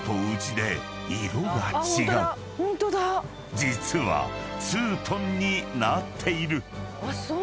［実はツートンになっている］